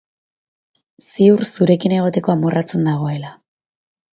Ziur zurekin egoteko amorratzen dagoela.